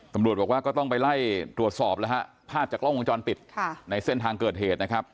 ตำรวจบอกว่าก็ต้องไปไล่ตรวจสอบแล้วฮะภาพจากกล้องวงจรปิดในเส้นทางเกิดเหตุนะครับ